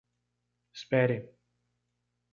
Espere!